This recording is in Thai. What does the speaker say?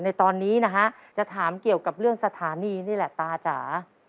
ในตอนนี้นะฮะจะถามเกี่ยวกับเรื่องสถานีนี่แหละตาจ๋า